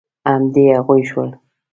همدې هغوی شول.